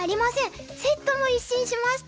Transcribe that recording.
セットも一新しました！